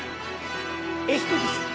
エヒトです。